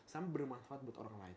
sama bermanfaat buat orang lain